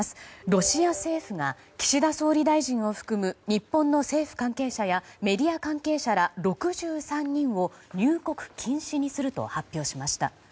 ロシア政府が岸田総理大臣を含む日本の政府関係者やメディア関係者ら６３人を入国禁止にすると発表しました。